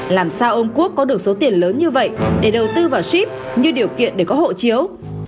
làm sao ông quốc có được số tiền lớn như vậy để đầu tư vào ship như điều kiện để có hộ chiếu